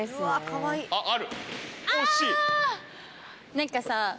何かさぁ